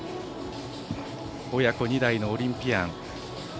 親子２代のオリンピアン。